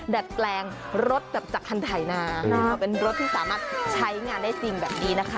ดัดแปลงรถแบบจากคันไถนาเป็นรถที่สามารถใช้งานได้จริงแบบนี้นะคะ